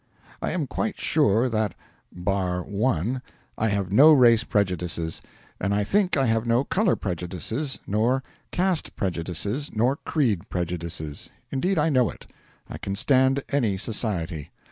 I am quite sure that (bar one) I have no race prejudices, and I think I have no colour prejudices nor caste prejudices nor creed prejudices. Indeed, I know it. I can stand any society.